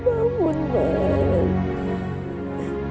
lambang kebangsaan dulu ya